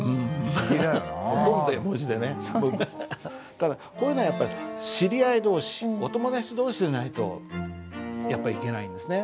ただこういうのはやっぱり知り合い同士お友達同士じゃないとやっぱいけないんですね。